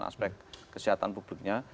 aspek kesehatan publiknya